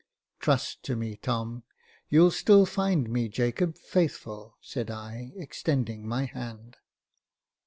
"Trust to me, Tom; you'll still find me Jacob Faithful," said I, extending my hand.